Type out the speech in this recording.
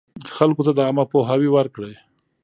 خلکو ته عامه پوهاوی ورکړئ.